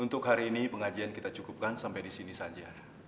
untuk hari ini pengajian kita cukupkan sampai disini saja